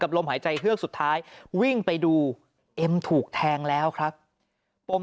ลมหายใจเฮือกสุดท้ายวิ่งไปดูเอ็มถูกแทงแล้วครับปม